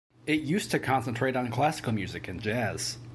It used to concentrate on classical music and jazz.